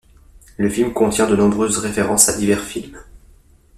Le film contient de nombreuses références à divers films.